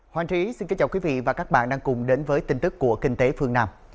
hoàng trí xin kính chào quý vị và các bạn đang cùng đến với tin tức của kinh tế phương nam